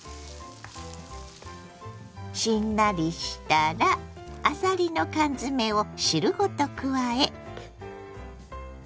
しんなりしたらあさりの缶詰を汁ごと加え。